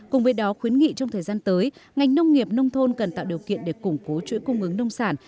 cùng với đó khuyến nghị trong thời gian tới ngành nông nghiệp nông thôn cần tạo điều kiện để củng cố chuỗi cung ứng nông sản